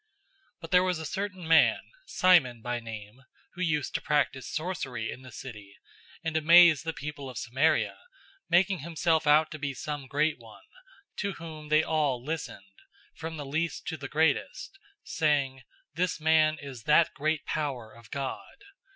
008:009 But there was a certain man, Simon by name, who used to practice sorcery in the city, and amazed the people of Samaria, making himself out to be some great one, 008:010 to whom they all listened, from the least to the greatest, saying, "This man is that great power of God."